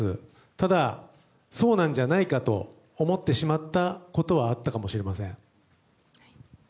ただ、そうなんじゃないかと思ってしまったことはあったかもしれません。